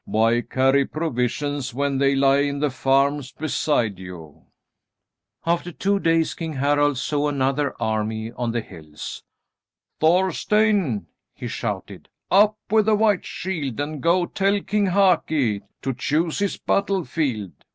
"Why carry provisions when they lie in the farms beside you?" After two days King Harald saw another army on the hills. "Thorstein," he shouted, "up with the white shield and go tell King Haki to choose his battle field.